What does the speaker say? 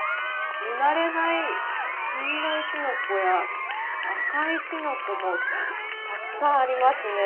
見慣れない黄色いきのこや赤いきのこもたくさんありますね。